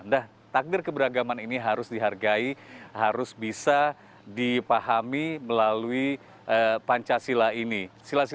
nah takdir keberagaman ini harus dihargai harus bisa dipahami melalui pancasila ini